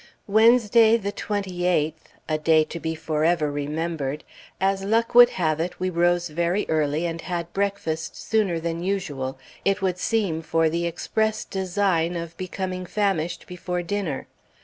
Wednesday the 28th, a day to be forever remembered, as luck would have it, we rose very early, and had breakfast sooner than usual, it would seem for the express design of becoming famished before dinner.